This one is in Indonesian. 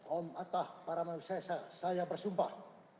om atta paramahwisesa saya bersumpah